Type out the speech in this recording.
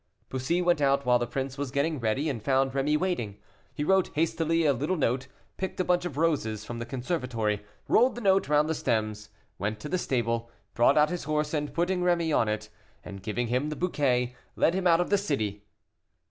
Bussy went out while the prince was getting ready, and found Rémy waiting. He wrote hastily a little note, picked a bunch of roses from the conservatory, rolled the note round the stems, went to the stable, brought out his horse, and, putting Rémy on it, and giving him the bouquet, led him out of the city.